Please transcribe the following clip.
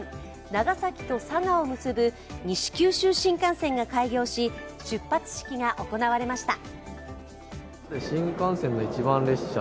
長崎と佐賀を結ぶ西九州新幹線が開業し、出発式が行われました。